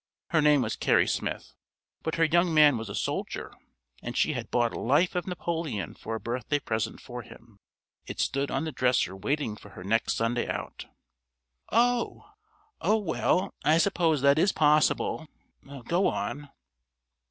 Her name was Carrie Smith. But her young man was a soldier, and she had bought a Life of Napoleon for a birthday present for him. It stood on the dresser waiting for her next Sunday out." "Oh! Oh, well, I suppose that is possible. Go on."